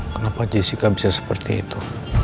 kenapa jessica bisa seperti itu